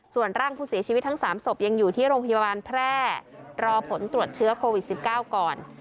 ส่วนร่างผู้เสียชีวิตทั้ง๓ศพยังอยู่ที่โรงพยาบาลแพร่รอผลตรวจเชื้อโควิด๑๙ก่อน